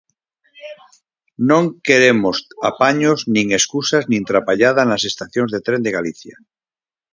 Non queremos apaños nin escusas nin trapallada nas estacións de tren de Galicia.